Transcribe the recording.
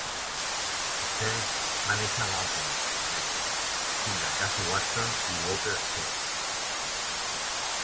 Speight va néixer a Baltimore, Maryland, fill de Gussie Watson i Walter Speight.